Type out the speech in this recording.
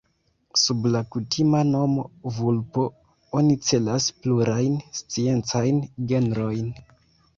Sub la kutima nomo "vulpo" oni celas plurajn sciencajn genrojn.